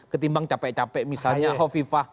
ketimbang capek capek misalnya hovifah